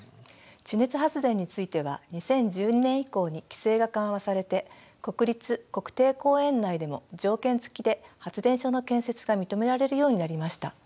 地熱発電については２０１２年以降に規制が緩和されて国立・国定公園内でも条件付きで発電所の建設が認められるようになりました。